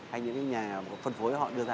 hay những nhà phân phối họ đưa ra